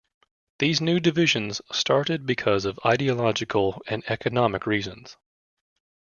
These new divisions started because of ideological and economic reasons.